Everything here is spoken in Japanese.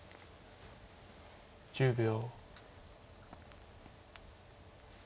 １０秒。